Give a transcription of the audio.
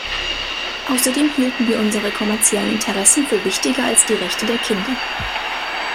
Außerdem hielten wir unsere kommerziellen Interessen für wichtiger als die Rechte der Kinder.